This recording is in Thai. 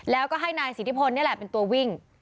แล้วก็ให้นายสิทธิพลนี่แหละเป็นตัววิ่ง